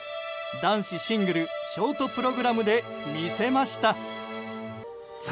男子シングルショートプログラムで魅せました。